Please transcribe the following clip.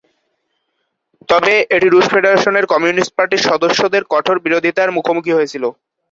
তবে, এটি রুশ ফেডারেশনের কমিউনিস্ট পার্টির সদস্যদের কঠোর বিরোধিতার মুখোমুখি হয়েছিল।